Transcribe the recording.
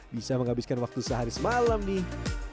bisa menghabiskan waktu sehari semalam nih